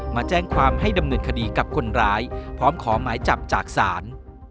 มาแจ้งความให้ดำเนินคดีกับคนร้ายพร้อมขอหมายจับจากศาล